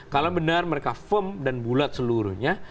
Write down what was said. kalau benar mereka firm dan bulat seluruhnya